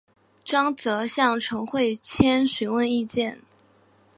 张则向陈惠谦询问意见。